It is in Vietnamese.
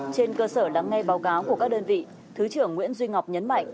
trên cơ sở lắng nghe báo cáo của các đơn vị thứ trưởng nguyễn duy ngọc nhấn mạnh